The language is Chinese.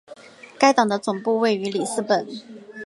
该党的总部位于里斯本。